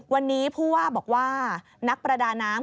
วันนี้ผู้ว่าบอกว่านักประดาน้ำ